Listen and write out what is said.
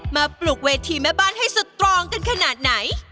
ปลุกเวทีแม่บ้านให้สตรองกันขนาดไหน